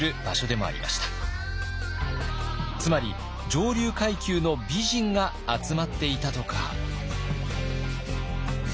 つまり上流階級の美人が集まっていたとか。